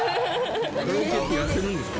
カラオケって、痩せるんですか。